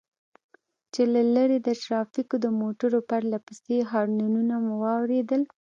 چې له لرې د ټرافيکو د موټر پرله پسې هارنونه مو واورېدل.